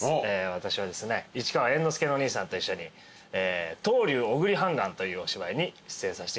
私はですね市川猿之助の兄さんと一緒に『當世流小栗判官』というお芝居に出演させていただきます。